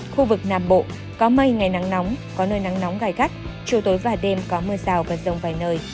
khu vực nam bộ có mây ngày nắng nóng có nơi nắng nóng gai gắt chiều tối và đêm có mưa rào và rông vài nơi